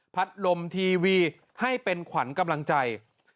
ลมทีวีให้เป็นขวัญกำลังใจ